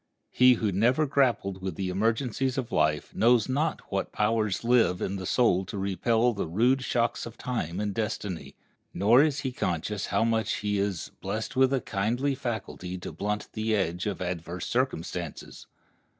He who never grappled with the emergencies of life knows not what power lives in the soul to repel the rude shocks of time and destiny, nor is he conscious how much he is "Blest with a kindly faculty to blunt The edge of adverse circumstances."